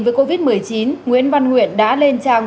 với covid một mươi chín nguyễn văn nguyện đã lên trang